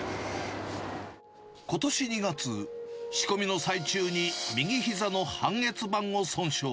ことし２月、仕込みの最中に右ひざの半月板を損傷。